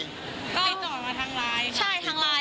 ติดต่อมาทางไลน์